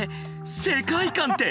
世界観って！？